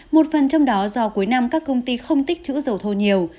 một phần trong đó do cuối năm các công ty không tích chữ dầu thô nhiều